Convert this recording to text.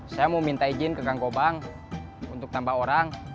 saya mau minta izin ke ganggobang untuk tambah orang